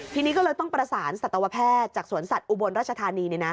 ทีนี้ก็เลยต้องประสานสัตวแพทย์จากสวนสัตว์อุบลราชธานี